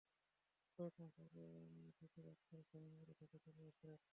কয়েক মাস আগে সাথী রাগ করে স্বামীর বাড়ি থেকে চলে আসেন।